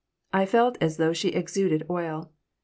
I felt as though she exuded oil.